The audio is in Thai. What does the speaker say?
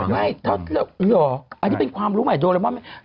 ไม่มีแล้วเหรอไม่หรออันนี้เป็นความรู้หมายโดเรมอน